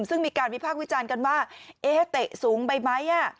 ซึ่งมีการวิพากษ์วิจารณ์กันว่าเตะสูงไปไหม